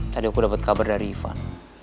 tadi aku dapat kabar dari ivan